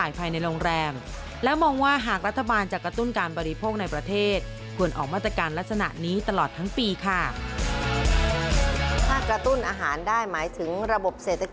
อย่างไม่นับรวมการใช้จ่ายภายในโรงแรม